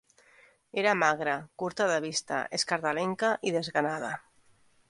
Era magre, curta de vista, escardalenca i desganada